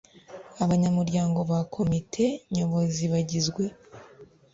Abanyamuryango Ba Komite Nyobozi Bagizwe